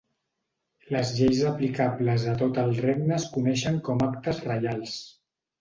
Les lleis aplicables a tot el Regne es coneixen com a actes reials.